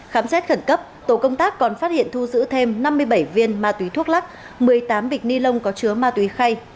khám xét khẩn cấp tổ công tác còn phát hiện thu giữ thêm năm mươi bảy viên ma túy thuốc lắc một mươi tám bịch ni lông có chứa ma túy khay